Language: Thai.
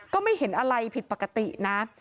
ก็ไม่เห็นอะไรผิดปกตินะ